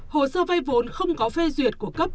hồ sơ vay vốn không có phê duyệt của cấp